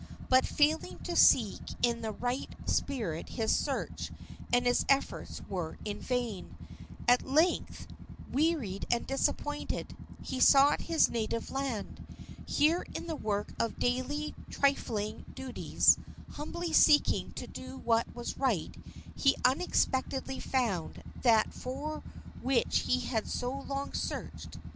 But failing to seek in the right spirit his search and his efforts were in vain. At length, wearied and disappointed, he sought his native land. Here, in the work of daily, trifling duties, humbly seeking to do what was right, he unexpectedly found that for which he had so long searched.